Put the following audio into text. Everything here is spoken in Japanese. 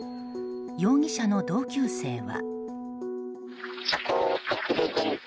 容疑者の同級生は。